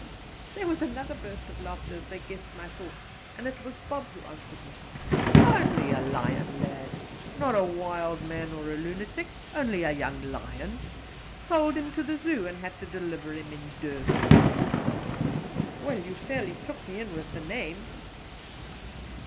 There was another burst of laughter as they guessed my thoughts, and it was Bob who answered me: "Only a lion, lad not a wild man or a lunatic! Only a young lion! Sold him to the Zoo, and had to deliver him in Durban." "Well, you fairly took me in with the name!"